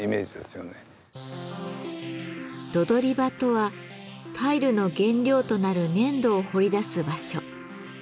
「土採り場」とはタイルの原料となる粘土を掘り出す場所。